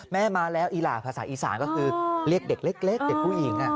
แม่มาแล้วอีหล่าภาษาอีสานก็คือเรียกเด็กเล็กเด็กผู้หญิง